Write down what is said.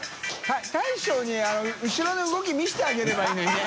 大将に後ろで動き見せてあげればいいのにね。）